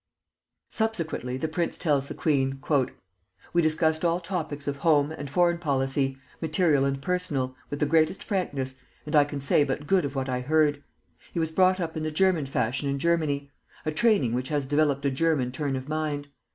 Subsequently the prince tells the queen, "We discussed all topics of home and foreign policy, material and personal, with the greatest frankness, and I can say but good of what I heard.... He was brought up in the German fashion in Germany, a training which has developed a German turn of mind.